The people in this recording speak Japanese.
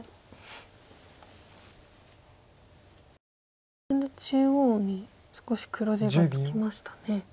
これで中央に少し黒地がつきましたね。